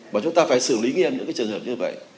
và chúng ta phải xử lý nghiêm những trường hợp như vậy